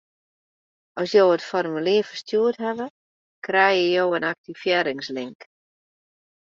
At jo it formulier ferstjoerd hawwe, krijge jo in aktivearringslink.